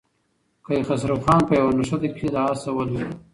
کیخسرو خان په یوه نښته کې له آسه ولوېد.